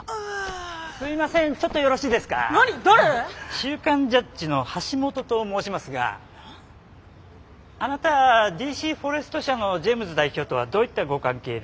「週刊ジャッジ」の橋本と申しますがあなたＤＣフォレスト社のジェームズ代表とはどういったご関係で？